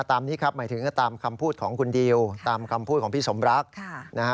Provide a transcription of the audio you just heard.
ตามนี้ครับหมายถึงตามคำพูดของคุณดิวตามคำพูดของพี่สมรักนะฮะ